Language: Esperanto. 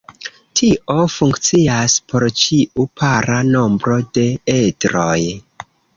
Tio funkcias por ĉiu para nombro de edroj.